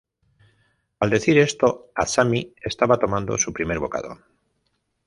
Al decir esto, Asami estaba tomando su primer bocado.